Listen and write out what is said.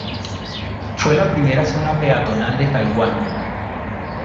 Fue la primera zona peatonal de Taiwán.